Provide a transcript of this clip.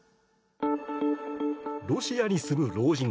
ロシアに住む老人。